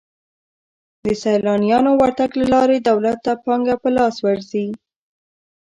د سیلانیانو ورتګ له لارې دولت ته پانګه په لاس ورځي.